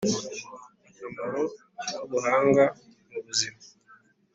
Akamaro k’ubuhanga mubuzima